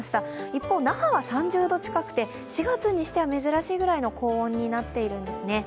一方、那覇は３０度近くて４月にしては珍しいぐらいの高温になっているんですね。